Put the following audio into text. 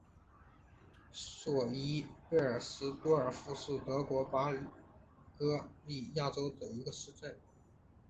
索伊贝尔斯多尔夫是德国巴伐利亚州的一个市镇。